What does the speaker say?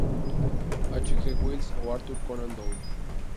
H. G. Wells o Arthur Conan Doyle.